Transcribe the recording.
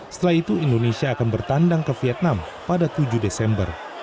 setelah itu indonesia akan bertandang ke vietnam pada tujuh desember